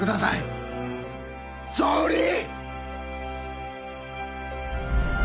総理！